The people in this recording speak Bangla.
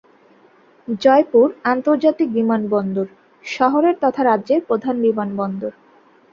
জয়পুর আন্তর্জাতিক বিমানবন্দর শহরের তথা রাজ্যের প্রধান বিমানবন্দর।